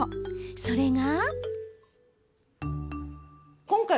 それが。